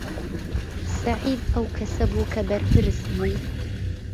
سەعید ئەو کەسە بوو کە بەرپرس بوو.